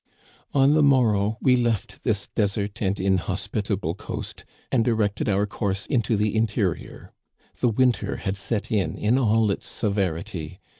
On the morrow we left this desert and inhospitable coast, and directed our course into the interior. The winter had set in in all its severity.